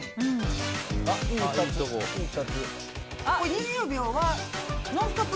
２０秒は「ノンストップ！」